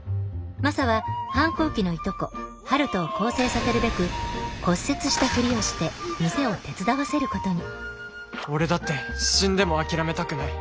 マサは反抗期のいとこ陽斗を更生させるべく骨折したふりをして店を手伝わせることに「俺だって死んでも諦めたくない」。